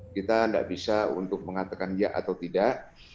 kita tidak bisa untuk mengatakan iya atau tidak